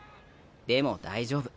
でも大丈夫。